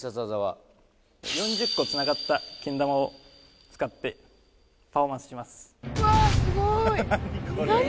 ４０個つながったけん玉を使ってパフォーマンスします。